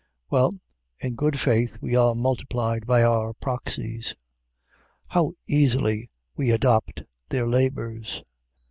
Well, in good faith, we are multiplied by our proxies. How easily we adopt their labors.